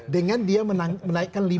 dengan dia menaikkan